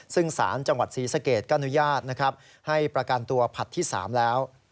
ซึ่งสารจังหวัดศรีสะเกดก็อนุญาตนะครับให้ประกันตัวผลัดที่๓แล้ว